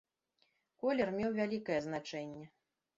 Колер меў вялікае значэнне.